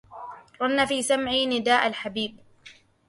رن في مسمعي نداء الحبيب